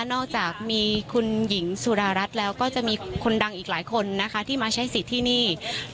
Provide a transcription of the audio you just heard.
นอกจากมีคุณหญิงสุดารัฐแล้วก็จะมีคนดังอีกหลายคนนะคะที่มาใช้สิทธิ์ที่นี่